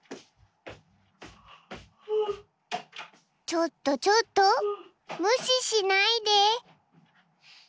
ちょっとちょっと無視しないで。